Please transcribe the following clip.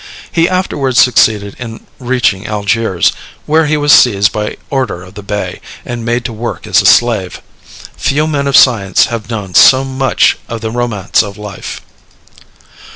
He afterwards succeeded in reaching Algiers, where he was seized by order of the Bey, and made to work as a slave. Few men of science have known so much of the romance of life.